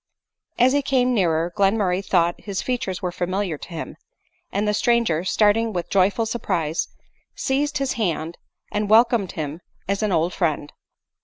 As he came nearer,, Glenmurray thought his features were familiar to him ; and the stranger, starting with joy ful surprise, seized his hand, and welcomed him as an old friend.